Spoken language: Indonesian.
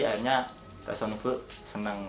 akhirnya rasa nunggu seneng